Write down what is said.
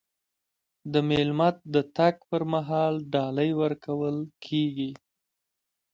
د میلمه د تګ پر مهال ډالۍ ورکول کیږي.